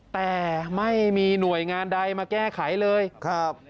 แต่ไม่มีหน่วยงานใดมาแก้ไขเลยครับ